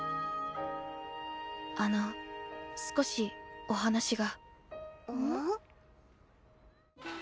あの少しお話が。ん？